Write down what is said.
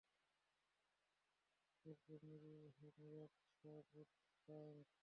একদম নিরেট, সহজবোধ্য সায়েন্স!